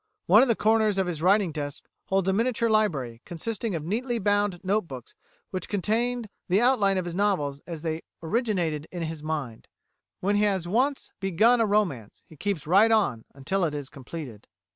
One of the corners of his writing desk holds a miniature library, consisting of neatly bound note books which contain the outline of his novels as they originated in his mind. When he has once begun a romance, he keeps right on until it is completed.